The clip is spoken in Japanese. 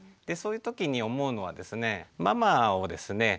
でそういう時に思うのはですねママをですね